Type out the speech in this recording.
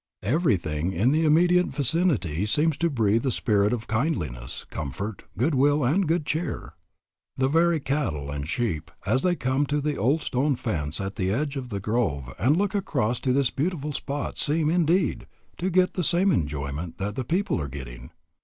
Everything in the immediate vicinity seems to breathe a spirit of kindliness, comfort, good will, and good cheer. The very cattle and sheep as they come to the old stone fence at the edge of the grove and look across to this beautiful spot seem, indeed, to get the same enjoyment that the people are getting.